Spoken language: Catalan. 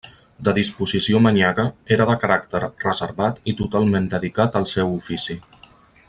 De disposició manyaga, era de caràcter reservat i totalment dedicat al seu ofici.